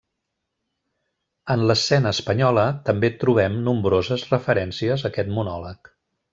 En l'escena espanyola, també trobem nombroses referències a aquest monòleg.